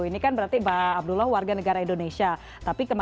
ini kan berarti pak abdullah warga negara indonesia